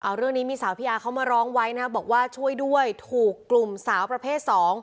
เอาเรื่องนี้มีสาวพี่อาเขามาร้องไว้นะบอกว่าช่วยด้วยถูกกลุ่มสาวประเภทสอง